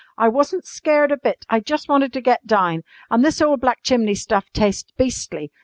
"I wasn't scared a bit. I jus' wanted to get down. An' this ole black chimney stuff tastes beastly.